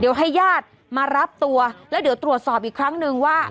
เดี๋ยวให้ญาติมารับตัวแล้วเดี๋ยวตรวจสอบอีกครั้งนึงว่า